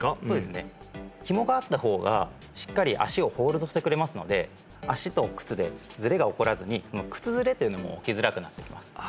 そうですね紐があった方がしっかり足をホールドしてくれますので足と靴でズレが起こらずに靴擦れというのも起きづらくなってきます